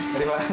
terima kasih pak